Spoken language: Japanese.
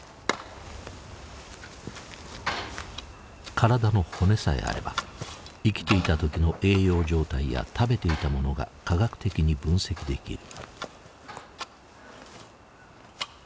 体の骨さえあれば生きていた時の栄養状態や食べていたものが科学的に分析できる。